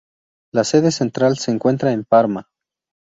La sede central se encuentra en Parma.